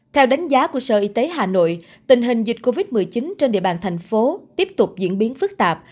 theo đánh giá của sở y tế hà nội tình hình dịch covid một mươi chín trên địa bàn thành phố tiếp tục diễn biến phức tạp